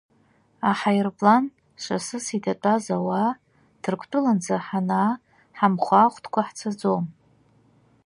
Аҳаирплан шасыс иҭатәаз ауаа Ҭырқәтәыланӡа ҳанаа ҳамхәаахәҭкәа ҳцаӡом!